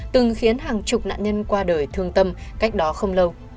từng khiến hàng chục nạn nhân qua đời thương tâm cách đó không lâu